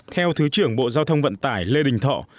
theo thứ trưởng bộ giao thông vận tải lê đình thọ